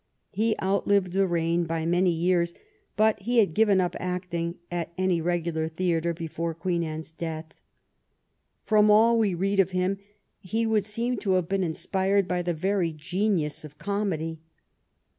He outlived the reign by many years, but he had given up acting, at any regular theatre, before Queen Anne's death. From all we read of him he would seem to have been inspired by the very genius of comedy.